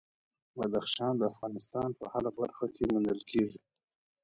بدخشان د افغانستان په هره برخه کې موندل کېږي.